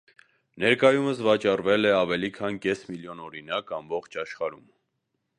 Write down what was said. Ներկայումս վաճառվել է ավելի քան կես միլիոն օրինակ ամբողջ աշխարհում։